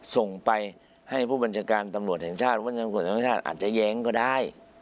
ส่งไปให้ผู้บัญชาการตำรวจแห่งชาติอาจจะแย้งก็ได้